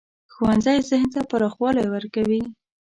ښوونځی ذهن ته پراخوالی ورکوي